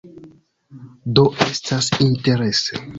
Do estas interese.